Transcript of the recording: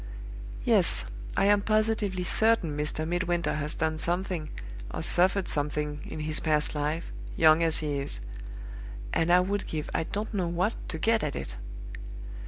Yes; I am positively certain Mr. Midwinter has done something or suffered something in his past life, young as he is; and I would give I don't know what to get at it.